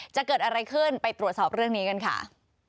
จะเกิดอะไรขึ้นไปตรวจสอบเรื่องนี้กันค่ะ